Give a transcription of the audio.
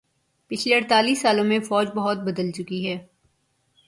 پچھلے اڑتالیس سالوں میں فوج بہت بدل چکی ہے